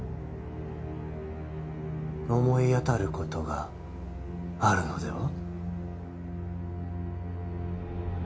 思い当たることがあるのでは？